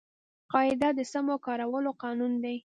قاعده د سمو کارولو قانون دئ.